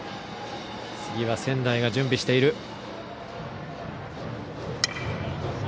次は千代が準備している。